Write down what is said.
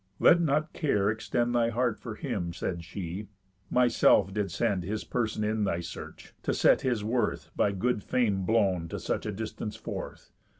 "Let not care extend Thy heart for him," said she, "myself did send His person in thy search; to set his worth, By good fame blown, to such a distance forth.